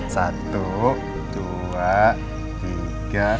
satu dua tiga